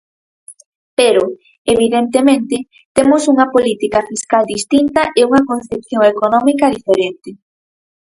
Pero, evidentemente, temos unha política fiscal distinta e unha concepción económica diferente.